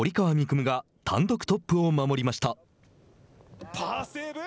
夢が単独トップを守りました。